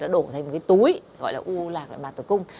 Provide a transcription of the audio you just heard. nó đổ thành một cái túi gọi là u lạc nội mạc tử cung